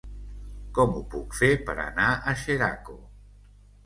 Com ho puc fer per anar a Xeraco?